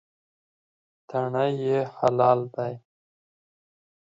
تڼۍ یې خلال ده.